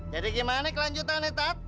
jadi gimana kelanjutan itu